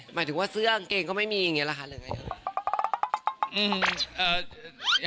หมายถึงว่าเสื้อกางเกงก็ไม่มีอย่างนี้หรอคะหรือไง